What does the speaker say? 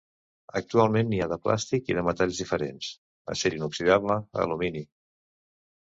Actualment n’hi ha de plàstic i de metalls diferents: acer inoxidable, alumini.